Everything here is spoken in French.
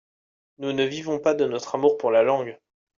Nous ne vivons pas de notre amour pour la langue.